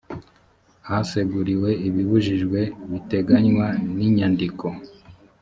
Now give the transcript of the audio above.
haseguriwe ibibujijwe biteganywa n inyandiko